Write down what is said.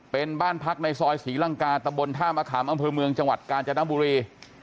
เป็นบ้านพักในซอยศรีลังกาตะบนท่ามะขามอำเภอเมืองจังหวัดกาญจนบุรี